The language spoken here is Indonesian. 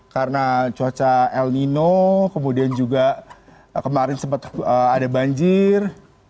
karena cuaca el nino kemudian juga kemarin sempat ada banjir